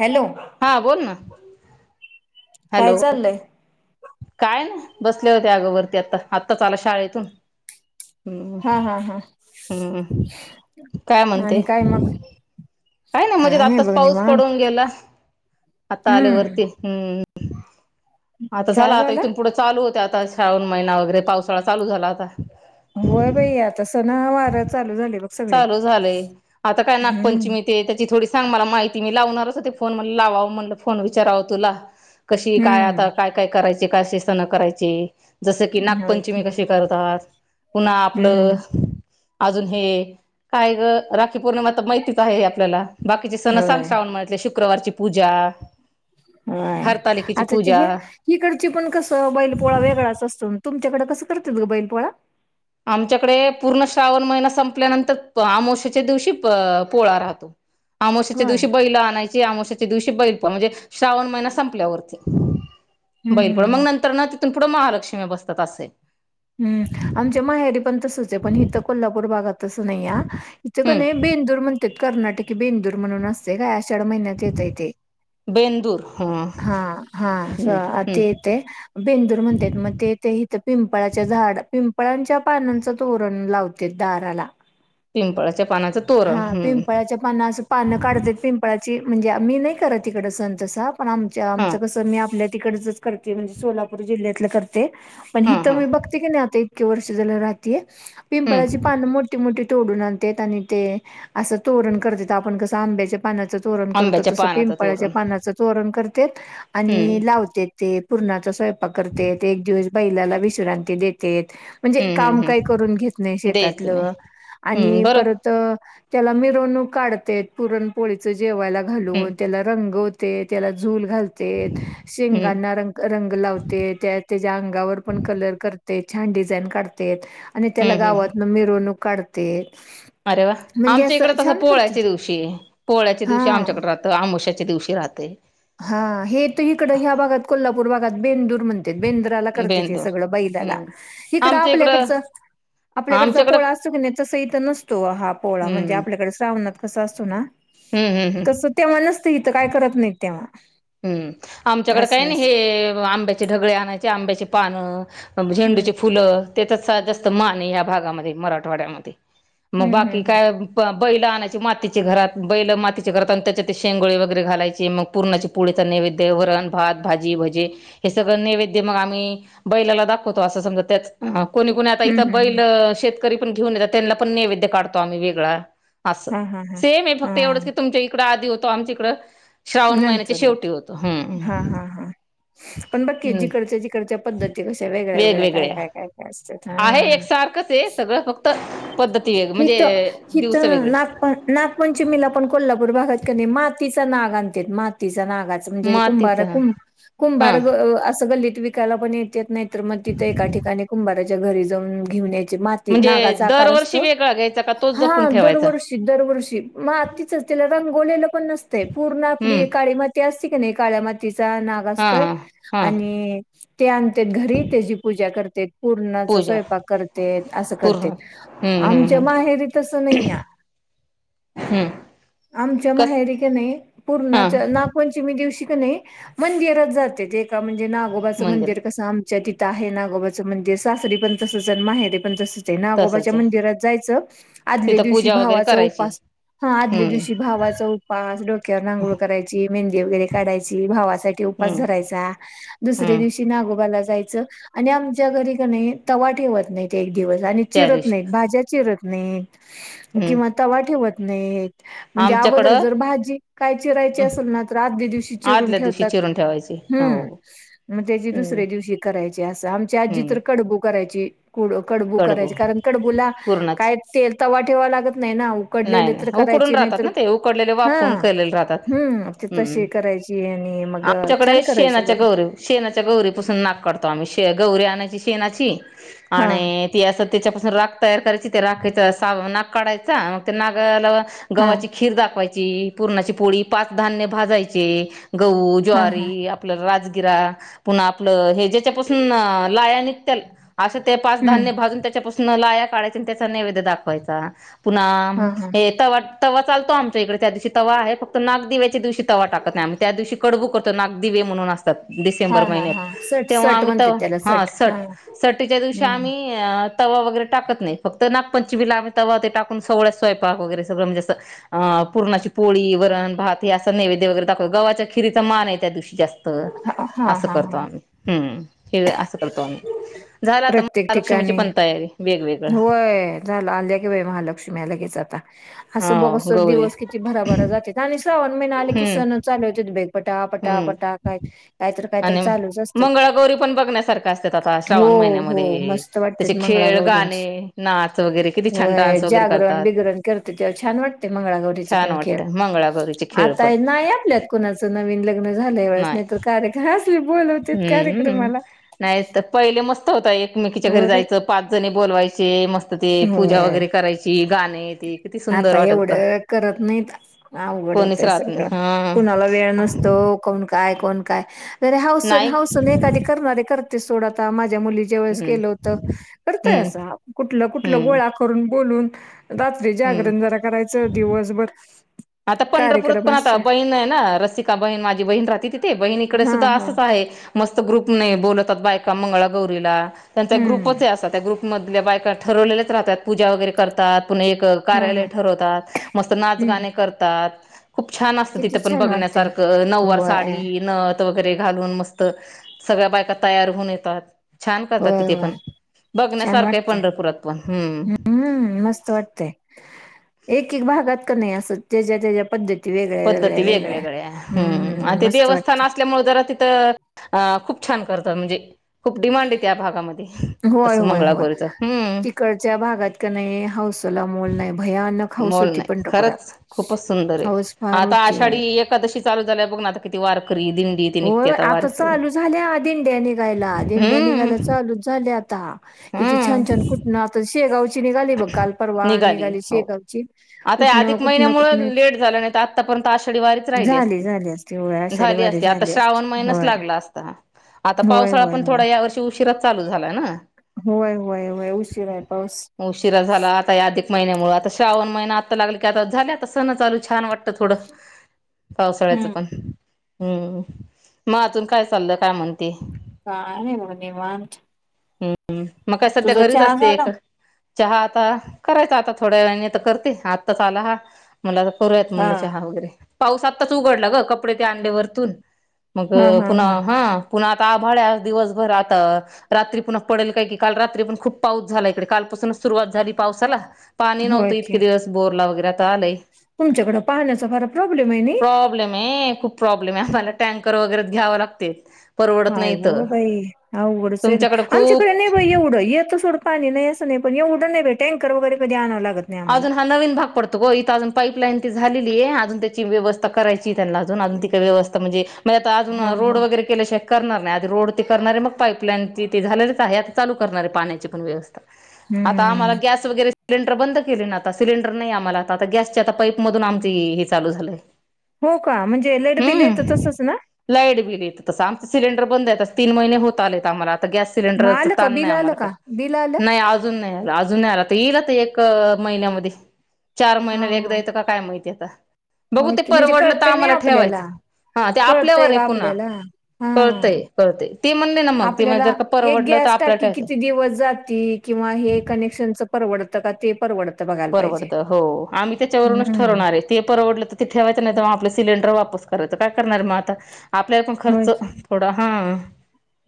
Hello. हां बोल ना. काय हॅलो चाललंय. काय ना बसले होते अगोवररती आता आत्ताच आला शाळेतून हम्म हा हा हा हम्म काय म्हणते. आणि काय मग काय नाही म्हणजे आताच पाऊस पडून गेला. आता आले हम्म वरती हम्म आता झाला आता इथून पुढं चालू होतय आता श्रावण महिना वगैरे पावसाळा चालू झाला आता. होय बाई आता सणा वार चालू झाली बघ‌. चालू झालंय आता काय नागपंचमी ते त्याची थोडी सांग मला माहिती मी लावणारच होते फोन म लावावं म्हणलं फोन विचारावं तुला. कशी काय आता हम्म काय काय करायचे कसेे सणं करायचे जसं की होय की नागपंचमी कशी करतात पुन्हा हम्म आपलं अजून हे काय ग राखी पौर्णिमा तर माहितीच आहे आपल्याला. बाकीचे सण सांग होय श्रावण मदले शुक्रवारची पूजा होय हरतालिकेची आता ते हे पूजा. इकडची पण कसं बैल पोळा वेगळाच असतो तुमच्याकडं कसं करतील ग बैल पोळा. आमच्याकडे पूर्ण श्रावण महिना संपल्यानंतर आमोशच्या दिवशी पोळा राहतो. आमोशच्या होय दिवशी बैला आणायची आमोशाच्या दिवशी बैल म्हणजे श्रावण महिन संपल्यावरत हम्म बैल हम्म हम्म मग ना तिथून पुढं महालक्ष्मी बसतात असयं. हम् आमच्या माहेरी पण तसंच आहे पण हिथ कोल्हापूर भागात तस नाही इथक हम्म बेंदूर म्हणतं ते कर्नाटकी बेंदूर म्हणून असतंय ते काय आषाढज्ञ महिन्यात येतय ते हा हा स हम्म हम्म ते ते बेंदूर म्हणतात मग ते ते इथ पिंप पिंपळाच्या झाड पिंपळांच्या पानांचं तोरण लावतेत दाराला. पिंपळाच्या पानाचं तोरण हा हम्म पिंपळाच्या. मण असं पानं काढत पिंपळाची म्हणजे मी नाही करत तिकडं संण तसा पण आम हा आमचं कसं मी आपल्या तिकडच करते म्हणजे सोलापूर जिल्ह्यातलं करते हा तर हा मी बघते की नाही आता इतके वर्ष झालं राहतेय पिंपळाची हम्म पानं मो मो मोठे तोडून आण आणि ते असं तोरण करत आपण कसं आंब्याचे पानाचं तोरण करतो आंब्याच्या तसं पानाचं पिंपळाच्या तोरण पानाचं तोरण करत हम्म आणि लावतेत. ते पूर्णाचा स्वयंपाक करते एक दिवस बैलाला विश्रांती देतेत म्हणजे हम्म काम हम्म काय करून हम्म घेत नाही द्यायचं नाही शेतातलं हम्म आणि बरोबर परत तर त्याला मिरवणूक काढतेत पुरणपोळीच जेवायला हम्म घालून त्याला रंगव तेच त्याला दुर घालतेत हम्म शींगना रंग रंग लावतेत त्या त्याच्या अंगावर पण कलर करतेत छान डिझाईन काढतेत आणि त्याला हम्म हम्म गावातन मिरवणूक काढतेत. अरे वा म्हणजे आमच्या इकडे असं तसं छान पोळ्याच्या करतेत दिवशी पोळ्याच्या दिवशी हा आमच्याकडे राहतंय आमोशाच्या दिवशी राहतय. हा हे तर इकड ह्या भागात कोल्हापूर भागात बेंदूर म्हणत्यात बेंद्रराला करतात. बेंदूर सगळं बैलाला हम्म इकड आमच्या इकडं आपल्याकडच आपल्याकडच आमच्याकडं पोळा असतो की नाही. तसं इथं नसतो हा पोळा म्हणजे हम्म आपल्याकडे श्रावणात कस असतो ना. हम् हम् हम. तसं तेव्हा नसतं इथं काय करत नाही तेव्हा हम्म आमच्याकडे काही असं ना असं. हे आंब्याचे ढगळे आणायचे आंब्याची पानं हं, झेंडूचे फुलं तेचाच जास्त मान आहे या भागामध्ये मराठवाड्यामध्ये. मग हं, बाकी हं, हं. काय? बैल आणायची मातीचे घरात बैल मातीच्या घरात आणि त्याच्यात शेंगोळे वगैरे घालायचे मग पूर्णाची पुळीच नैवेद्य, वरण, भात, भाजी, भजे. हे सगळं नैवेद्य मग आम्ही बैलाला दाखवतो असं समजा त्याच अ कोणी कोणी आता हं, इथं हं, बैल हं. शेतकरी पण घेऊन येतात त्यांना पण नैवेद्य काढतो आम्ही वेगळा. असं हां, हां, हां. सेम आहे फक्त एवढंच हां, की तुमच्या इकड आधी होतो आमच्या इकडं श्रावण महिन्यात नंतर शेवटी होत हां, हम. हां, हां. पण बकी जिकडच्या जिकडच्या पद्धती कश्या वेगळ्या वेगळ्या काय वेगवेगळ्या काय काय काय असत. आहे एकसारखंच आहे सगळं फक्त पद्धती वेगळे म्हणजे दिवस वेगळे प नागपंचमीला पण कोल्हापूर भागात क नाही मातीचा नाग आणते मातीचा नाग म्हे मातीचा कुंारु हा कुंभार अस गल्लीत विकायला पण येत नाही. म्र मग तिथं एका ठिकाणी कुंभाराच्या घरी जाऊन घेऊण्याचे माती नागाचा आकार असतो. वेगळगयच हा दरवर्षी दरवर्षी मग आत् तिचच त्यािला रंगोलेलं पण नसतं पूर्ण हम्म आपली काळी माती ऐतिहासिक नाही काळ्या मातीचा नाग हा असतोय हा हा आणि ते आणत घरी त्याची पूजा करते. पूर्णाचा पूजा स्वयंपाक करत असं करत पूर्ण हम्म हम्म आमच्या हम्म माहेरी तसं नाही आहे. हम्म आमच्या कस माहेरीिक नाही हा पूर्णाच्या नागपंचमी दिवशी की नाय मंदिरात जाते ते म्हणजे नागोबाचं मंदिर कस तिथं आहे नागोबाचं मंदिर सासरी पण तस जन् आहे ते पण तसच आहे नागोबा तसच आहे मंदिरात जायच आद तिथं दिवशी पूजा वगैरे भावाचा करायची उपास हा आदल्या हम्म दिवशी भावाचा पाच डोक्यावर नांगूळ करायची मेहंदी वगैरे काढायची भावासाठी उपास हम्म धरायचा. दुसऱे हम्म दिवशी नागोबाला जायचं आणि आमच्या घरी का नाही तवा ठेवत नाही एक दिवस आणि त्या चिरत दिवशी नाही भाज्या चिरत नाही. हम्म किंवा तवा ठेवत नाही म्हणजे अगोदर आमच्याकडं जर भाजी काय चिराहायची हम्म, असेल ना तर आग दिवशी चरून आदल्या दिवशी ठेवतात चिरून ठेवायची हो मग त्या हम्म दुसऱ्या दिवशी करायची अस आम आजी हम्म तर कडबू करायची. कुड कडबू करायचे कारण कडबूला पूर्णाचे काय तेल तवा ठेवा लागत नाही ना. नाही कडलेले तर नाही उकडून करायचे नाही राहतात तर ना ते उकडलेले हा वाफवून केलेले राहतात हम्म ते तशी करायची. आणि मग आमच्याकडे छान करायचं शेणाच्या बरं. गौरी शेणाच्या गौरीपासून नाक काढतो आम्ही शे गौरी आणायची शेणाची हा आणि ती असं त्याच्यापासून राख तयार करायची त्या राखाचा सा नाक काढायचा मग ते नागला हा गव्हाची खीर दाखवायची पूर्णाची पोळी पाच धान्य भाजायचे गहू हा हा ज्वारी आपलं राजगिरा पुन्हा आपलं हे ज्याच्यापासून लायानत त्या असं ते पाच हम्म धान्य भाजून त्याच्यापासून लाया काढय आणि त्याचा नैवेद्य दाखवायचा. पुन्हा हा हा तवा तवा चालतो आमच्या इकडे त्या दिवशी तवा आहे. फक्त नाग दिव्याच्या दिवशी तवा टाकत नाही आम त्या दिवशी कडबू करतो नाग दिवे म्हणून असतो. हा डिसेंबर हा हा महिन्यात सट तेव्हा सट आम्ही म्हणते त्याला सट हा हम्म [unintelligible] तवा वगैरे टाकत नाही. फक्त नागपंचमीलाआम्ही तवा ते टाकून स- स्वयपाक वगैर सगळं म्हणजे असं- आ. पुरणाची पोळी, वरण, भात हे असं नैवेद्य वगैरे दाखवतो. गव्हाच्या खिरीचा मान आहे त्या दिवशी जास्त. हा हा अस हा करतो हा आम्ही. हं. असं करतो आम्ही. झाल आता म प्रत्येक महालक्ष्मीची ठिकाणी पण तयारी. वेगवेगळं- होय झालं आल्या कि बाई महालक्ष्म्या लगेच आता. असं हो बघा गौरी दिवस किती भराभरा जात्यात. श्रावण महिना आला की हम्म सण चालू होतात बाई. पटा पटा हम्म पटा काय काहीत काहीतरी चालूच असत्यात. गौरी पण बघण्यासारखं अस- आता श्रावण हो महिन्यामध्ये, मस्त वाटतेत त्याचे खेळ गाणे नाच वगैरे- किती छान व्हय. डान्स वगैरे जागरण करतात बिगरण करते तेव्हा छान वाटते मंगळागौरीच छान पण खेळ. वाटतं मंगळागौरीचे खेळ आता पण आहे नाही आपल्यात. कुणाचं नवीन लग्न झाल्या वेळेस नाही तर कार्यक्रम असच बोलवतेत कार्यक्रमाला. नाहीत पहिले मस्त होत. एकमेकीच्या घरी होय बाई जायचं पाच जणी बोलवायचे मस्त- तर ते पूजा होय वगैरे करायची. गाणे- ते किती सुंदर आता वाटत होता एवढं करत नाहीत. अवघड कोणीच होतय राहत नाही सगळं. हा कुणाला वेळ नसत- तो कोण? काय? कोण काय? बर हौस नाही हौसेन एखादी करणारी करते. सोड आता माझ्या मुली- वेळेस हम्म केल होत. करतय हम्म अस कुठलं कुठल हम्म गोळा करून बोलून- रात्री हम्म जागरण जरा करायचं. दिवसभर- आता पंढरपूरात कार्यक्रम पण आता असतोय बहीण आहे ना? रसिका बहीण माझी बहीण राहते. तिथे बहीणीकडे हा सुद्धा हा असंच आहे. मस्त ग्रुपने बोलवतात बायका मंगळागौरीला. त्यांचा हम्म ग्रुपच आहे असा. त्या ग्रुपमधल्या बायका ठरवलेल्याच राहतात. पूजा वगैरे करतात. पुन्हा एक- हा हा कार्यालय ठरवतात. मस्त नाच हम्म गाणे कर- -तात. खूप छान असत तिथ किती पण छान वाटतय बघण्यासारख नउवार होय साडी, नथ - वगैरे घालून मस्त सगळ्या बायका तयार होऊन येतात. छान करतात होय तिथे होय पण. छान बघण्यासारखं आहे वाटतय. पंढरपुरात पण हम्म हम्म. मस्त वाटतय. एक एक भागात का नाही असं ज्याच्या त्याच्या पद्धती- वेगळ्या वेगळ्या पद्धती वेगळ्या वेगवेगळ्या. हं. हम्म आता मस्त वाटत देवस्थान अस- ल्यामुळे जरा तिथं, आं खूप छान करता म्हणजे खूप डिमांडये त्या भागामध्ये. व्हय. तसं व्हय. व्हय मंगळागौरीच हम्म तिकडच्या भागात का नाही हौसेला मोल नाही. भयानक हाऊस मोल होती नाही पंढरपुरात. खरंच खूपच सुंदर आहे. हौस फार आता होती आषाढी एकादशी चालू झाल्यावर बघ ना आता किती वारकरी दिंडी- ती निघते होय. आता वारकरी चालू झाल्या दिंड्या निघायला. दिंड्या हम्म निघायला चालूच झाल्या आता. किती छान छान हम्म कुठन आता शेगाव- निघाली हो. शेगावची आता या कुठनं अधिक कुठनं महिन्यामुळ कुठनं लेट झालं नाही त आ- -तापर्यंत आषाढी वारीच राहिली झाली असती. झाली असती होय आषाढी झाली वारी असती आता. असती श्रावण महिनाच होय लागला असता. आता होय पावसाळा होय पण होय थोडा या वर्षी उशिराच चालू झालाय ना? होय. होय. होय. उशिराय पाऊस. उशिरा झाला आता या अधिक महिन्यामुळे. आता श्रावण महिना आत्ता लागल की आता झाले आता सण चालू छान वाटतं थोडं. पावसाळ्याच हम्म पण. हम्म. मग अजून काय चाललं? काय म्हणते? काय नाही म निवांत. हम्. मग काय सध्या तुझा घरीच चहा असते? झाला एक- चहा आता करायचा आता थोड्या वेळाने. आता करते आत्ताच आला हा. मला आता करूयात हा. म्हणलं चहा वगैरे पाऊस आत्ताच उघडला ग कपडे त्या आणले वरतून मग पुन्हा हा पुन्हा आता आभाळ दिवसभर आता रात्री पुन्हा पडेल काय की काल रात्री पण खूप पाऊस झाला इकडे कालपासून सुरुवात झाली पावसाला पाणी होय नव्हतं की इतके दिवस बोरला वगैरे तर आलंय. तुमच्याकडं पाण्याचा फार प्रॉब्लेम आहे नाही. प्रॉब्लेम आहे खूप प्रॉब्लेम आहे आपल्याला टँकर वगैरेच घ्यावं लागते. परवडत काय नाही इथं हो बाई अवघडच आहे बाई तुमच्याकडे खूप आमच्याकडे नाही बाई एवढं येत सोडं पाणी नाही असं नाही पण एवढं नाहीे टँकर वगैरे कधी आणावं लागतं. अजून हा नवीन भाग पडतो. ग इथं अजून पाईपलाईन ती झालेली आहे अजून त्याची व्यवस्था करायची त्यांना अजून अजून ती व्यवस्था म्हणजे मग आता अजून हा रोड हा वगैरे केल्याशाय करणार नाही आधी रोड ते करणार आहे मग पाईपलाईन त ते झालेलेच आहे आता चालू करणार आहे पाण्याची पण व्यवस्था आता हम्म आम्हाला गॅस वगैरे सिलेंडर बंद केले ना आता सिलेंडर नाही आम्हाला आता गॅसच्या आता पाईपमधून आमचं हे चालू झालंय. हो का म्हणजे लाईटबिल येतं हम्म तसंच ना लाईट बिल येत तसं आमचे सिलेंडर बंद आहे आहेत तस तीन महिने होत आलेत आम्हाला आता गॅस मग सिलेंडर आलं का ताण बिल नाही आलं आम्हाला का काही बिल आलं नाही अजून नाही आ अजून नाही आला तर येईल तर एक महिन्यामध्ये चार हा महिन्या एकदा हा. येता का काय माहितीय आता बघू ते ओके म्हणजे परवडलं तर कळतंय नाही आम्हाला ठेवायचं. आपल्याला हा ते आपल्यावर कळतंय आहे का पुन्हा आपल्याला हा. कळतंय कळतंय ते म्हणले ना मग ते म्हण आपल्याला जर का एक परवडलं तर गॅस आपल्याला टाकी किती ठेवायचं दिवस जातील किंवा हे कनेक्शनच परवडतं का ते? परवडत बघा परवडतं हो आम्ही त्याच्यावरूनच ठरवणार आहे. ते परवडलं तर ते ठेवायचं नाही तर मग आपलं सिलेंडर वापस करायचं काय करणार मग आता आपल्याला पण होय खर्च की. थोड हा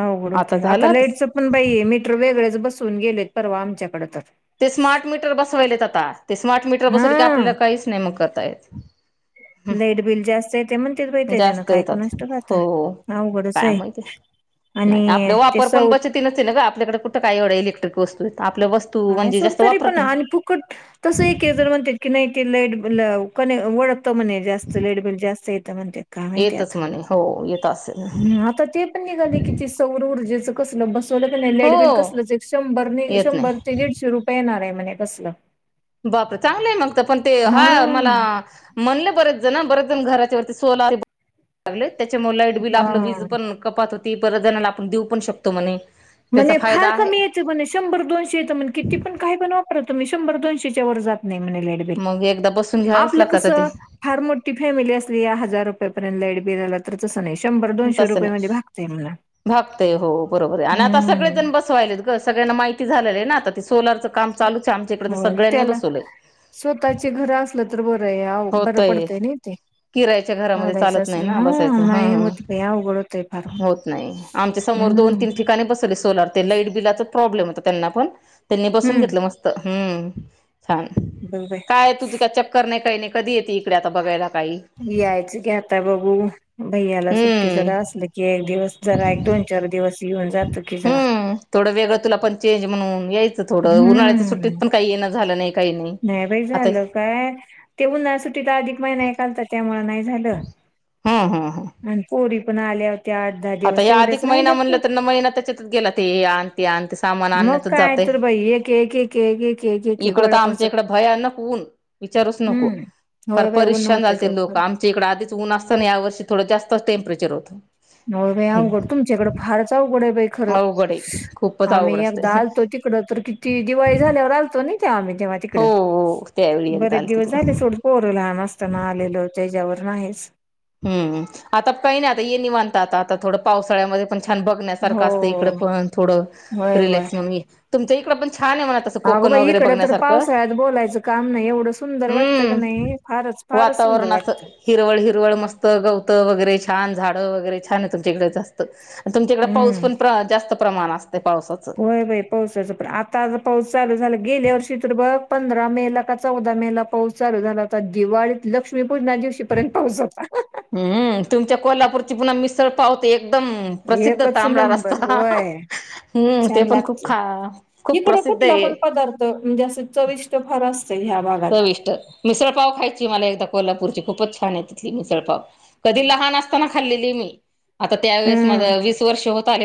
अवघड होते आता लाईटचं पण बाई आहे मीटर वेगळेच बसवून गेलेत परवा आमच्याकडे तर ते स्मार्ट मीटर बसवायलेत आता ते स्मार्ट मीटर बसवलं की हा आपल्याला काहीच नाही मग करता येत. लाईट बिल जास्त येतेय म्हणतेत बाई त्यान जास्त काय येतात कोणस ठावूक आता अवघडच हाय आपल वापर पण बचतीनच ये ना ग आपल्याकडे कुठं काय एवढं इलेक्ट्रिक वस्तू आहेत आपलं वस्त नाही सोड तरी पण आणि फुकट तस एकेक जन म्हणतेत की नाही ते लाईट बिल कणी वड म्हणे जास्त ल जास्त येत म्हण ते काम आहे ते आता येतच म्हणे हो येत असेल आता ते पण निघाली कि ती सौर ऊर्जेचं कसलं बसवलं की नाही हो लाईट बिल कसलच एक शंभर येत शंभर नाही ते दीडशे रुपय येणार आहे म्हणे कसलं बापरे चांगले आहे मग तर पण ते हा मला म्हणले बरेच जण बरेच जण घराच्या वरती सोलर लागले त्याच्यामुळे लाईट बिल आपलं वीज हा पण कपात होती बऱ्याच जणाला आपण देऊ पण शकतो म्हणे त्याचा म्हणे फायदा फार आहे कमी म्हणे शंभर दोनशे म्हण किती पण काय पण वापरा तुम्ही शंभर दोनशेच्या वर जात नाही म्हणे लाईट बिल मग एकदा बसून घ्यावंच आपलं लागतं आता ते कसं फार मोठी फॅमिली असली या हजार रुपयापर्यंत लाईट बिल आलं तर तसं नाही शंभर दोनशे तसं रुपये मध्ये नाही भागतंय म्हणे भागतय हो बरोबर आहे आणि आता सगळेजण बस ग सगळ्यांना माहिती झाले आहे ना आता ते सोलारचं काम चालूच आहे आमच्या इकडे ते सगळ्यांनी बसवलंय. स्वतःची घरं असलं तर बरं आहे. बरं होतय पडतय ना ते. किरायच्या घरामध्ये भाड्याचं चालत असल नाही ह ना म बसायचं नाही हं होत बाई अवघड होत होत नाही. आमच्या समोर दोन तीन ठिकाणी बसवले सोलर. ते लाईट बिलाचा प्रॉब्लेम होता त्यांना पण, त्यांनी बसून हम्म घेतलं मस्त हम् छान. बरं आहे. काय तुझी काय चक्कर नाही काही नाही कधी येते इकडे आता बघायला काही? यायचं की आता बघू. भै्याला सुट्टी हम्म जरा असल की एक दिवस जरा एक दोन चार दिवस येऊन जात की जरा. हम्म थोडं वेगळं तुला पण चेंज म्हणून यायचं थोड. उ्हाळ्याच्या सु्टीत हम्म पण काही येणं झालाय. नाही बाई झालं. काय ते उन्हाळा सुट्टीत अधिक महिना एक आलता त्यामुळे नाही झालं. झालं. हम्म हम्म हम्म आणि पोरी पण आल्या होत्या. दहा आता दिवस या तेवढ्याच अधिक महिना राहिल्या म्हणलं पोरी तर ना महिना त्याच्यातच गेला ते ये आण ते आण सामान आण मग काय तर बाई! एक एक एक एक इकडं गोळ तर आमच्या करूस्तवर भयानक ऊन विचारुच नको. हम्म फार होय बाई ऊन परेशान होतं झालते तेव्हा फार लोक आम इकड आधीच ऊन असताना या वर्षी थोडं जास्तच टेंपरेचर होतं. म बाई अवघड हम्म तुमच्या इकड फारच अवघड आहे बाई खरं अवघड आहे खूपच आम्ही अवघड एकदा असतय. आलतो ड तर किती दिवाळी झाल्यावर आलतो ना तेव आम्ही तेव्हा तिकड. हो हो त्यावेळी एकदा बरेच आलती दिवस तू झाले सोड पोरं लहान असताना आलेल त्याच्यावर नाहीच. हम्. आता काही नाही आता ये निवांत आता आता थोडं पावसाळ्यामध्ये छान बघण्यासारखं हो असतं इकडं पण थोडं होय रिलॅक्स म्हणून ये. तुझ्याइकडे पण छान आहे तसं अग कोकण बाई! वगैरे इकडं तर बघण्यासारखं पावसाळ्यात बोलायचं काम नाही एवढं सुंदर वाटत का हम्म नाही फारच. फारच सुंदर वातावरण असं वाटतं. हिरवळ हिरवळ मस्त गवतं वगैरे छान झाडं वगैरे छान आहे तुमच्या इकडे जास्त तुमच्याकडे पाऊस हम्म पण जास्त प्रमाणात होय बाई. पावसाच प आता आ पाऊस चालू झाला गेल्या वर्षी तर बघ पंधरा मे ला का चौदा मे ला पाऊस चालू झाला आता दिवाळीत लक्ष्मीपूजना दिवशी पर्यंत पाऊस होता. हम्म. तुमच्या कोल्हापूरची पण मिस्सळ पाव तर एकदम प्रसिद्ध एकच तांबडा नंबर रस्सा. होय हम्म. ते छान पण खूप लागते. ख खूप इकडे प्रसिद्ध कुठला आहे. पण पदार्थ म्हणजे असं चविष्ट फार असत ह्या भागात. चविष्ट. मिसळपाव खायची मला एकदा कोल्हापूरची खूपच छान आहे तिथली मिसळपाव. कधी लहान असताना खाल्लेली मी. आता त्यावेेळेस माझ हम्म वीस वर्ष होत आले म